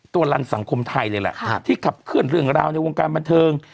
รันสังคมไทยเลยแหละที่ขับเคลื่อนเรื่องราวในวงการบันเทิง